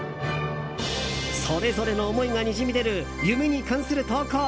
それぞれの思いがにじみ出る夢に関する投稿。